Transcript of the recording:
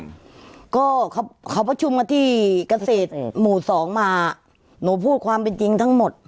อืมก็เขาประชุมกันที่เกษตรหมู่สองมาหนูพูดความเป็นจริงทั้งหมด